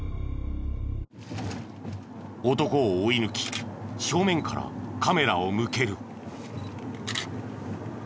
男を追い抜き正面からカメラを向ける。